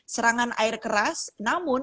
serangan air keras namun